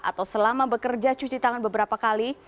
atau selama bekerja cuci tangan beberapa kali